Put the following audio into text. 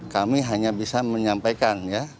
kami hanya bisa menyampaikan ya